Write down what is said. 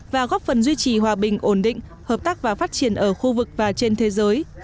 và góp phần duy trì hòa bình ổn định hợp tác và phát triển ở khu vực và trên thế giới